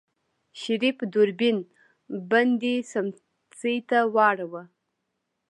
شريف دوربين بندې سمڅې ته واړوه.